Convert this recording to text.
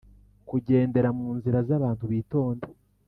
Kugendera mu nzira z abantu bitonda